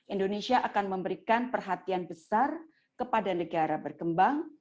indonesia akan memberikan perhatian besar kepada negara berkembang